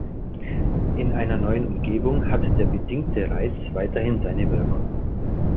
In einer neuen Umgebung hat der bedingte Reiz weiterhin seine Wirkung.